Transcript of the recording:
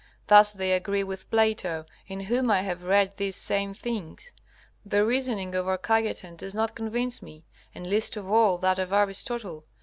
Thus they agree with Plato, in whom I have read these same things. The reasoning of our Cajetan does not convince me, and least of all that of Aristotle.